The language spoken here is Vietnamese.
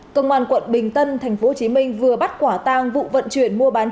công an quận bình tân tp hcm vừa bắt quả tang vụ vận chuyển mua bán trái phép